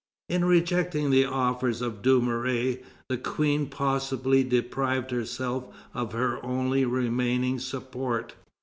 In rejecting the offers of Dumouriez, the Queen possibly deprived herself of her only remaining support.